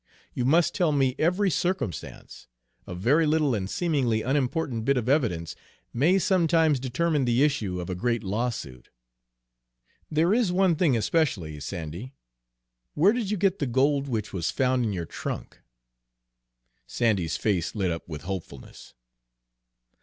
You must tell me every circumstance; a very little and seemingly unimportant bit of evidence may sometimes determine the issue of a great lawsuit. There is one thing especially, Sandy: where did you get the gold which was found in your trunk?" Sandy's face lit up with hopefulness.